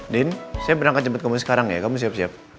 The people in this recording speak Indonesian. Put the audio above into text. din saya berangkat cepet kemu sekarang ya kamu siap siap